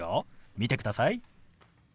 見てください。